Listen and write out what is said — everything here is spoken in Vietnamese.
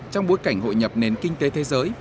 trong bối cảnh hội nhập nền kinh tế thế giới